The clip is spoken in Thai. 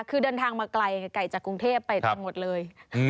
คือเดินทางมาไกลไกลจากกรุงเทพไปจังหวัดเลย